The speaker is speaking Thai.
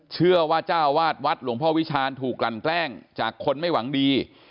เชื่อว่าเจ้าวาดวัดหลวงพ่อวิชาณถูกกลั่นแกล้งจากคนไม่หวังดี